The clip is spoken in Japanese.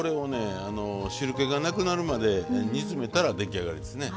汁けがなくなるまで煮詰めたら出来上がりですね。